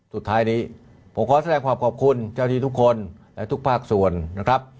สุดท้ายนี้ผมขอแสดงความขอบคุณเจ้าที่ทุกคนและทุกภาคส่วนนะครับ